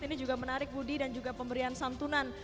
ini juga menarik budi dan juga pemberian santunan